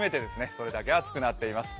それだけ暑くなっています。